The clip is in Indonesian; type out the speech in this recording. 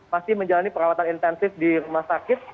masih menjalani perawatan intensif di rumah sakit